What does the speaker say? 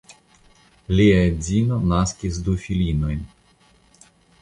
Lia edzino naskis du filinojn.